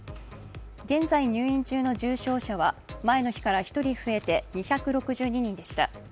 現在入院中の重症者は前の日から１人増えて２６２人でした。